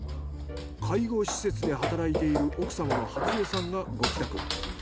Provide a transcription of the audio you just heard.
介護施設で働いている奥様の初江さんがご帰宅。